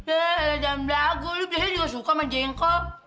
eh dalam lagu lu biasanya juga suka sama jengkol